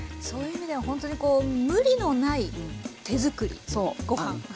そういう意味ではほんとにこう無理のない手作りごはん。